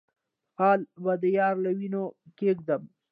خال به د يار له وينو کېږدم